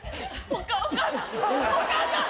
お母さん！